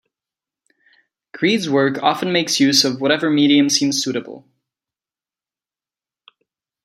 Creed's work often makes use of whatever medium seems suitable.